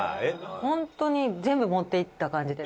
本当に全部持っていった感じで。